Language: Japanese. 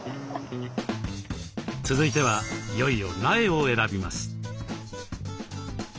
続いてはいよいよ苗を選びます。